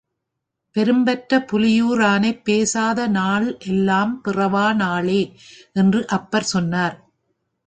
பெரும்பற்றப் புலியூ ரானைப் பேசாத நாள்எல்லாம் பிறவா நாளே என்று அப்பர் சொன்னார்.